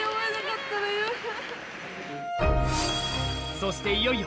そしていよいよ